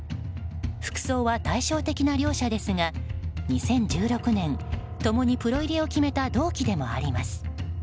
服装は対照的な両者ですが２０１６年、共にプロ入りを決めた同期でもあります。